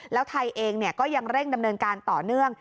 แล้วไทยเองก็ยังเร่งดำเนินการต่อเนื่อง